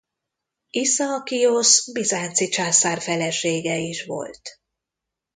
Iszaakiosz bizánci császár felesége is volt.